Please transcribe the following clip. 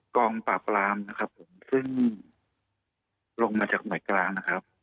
กองปราบรามนะครับผมซึ่งลงมาจากหน่วยกลางนะครับ